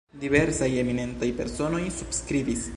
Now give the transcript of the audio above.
Diversaj eminentaj personoj subskribis.